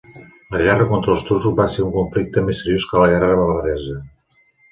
La guerra contra els turcs va ser un conflicte més seriós que la guerra bavaresa.